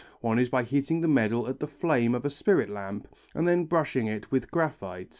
One is by heating the medal at the flame of a spirit lamp and then brushing it with graphite.